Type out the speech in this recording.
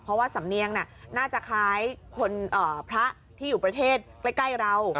เพราะว่าสำเนียงน่าจะคล้ายคนพระที่อยู่ประเทศใกล้เรา